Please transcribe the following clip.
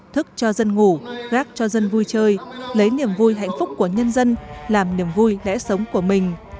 thức cho dân ngủ gác cho dân vui chơi lấy niềm vui hạnh phúc của nhân dân làm niềm vui lẽ sống của mình